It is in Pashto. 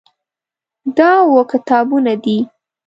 دا اووه کتابونه دي.